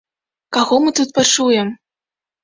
Каго мы тут пачуем?